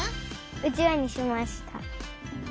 うちわにしました。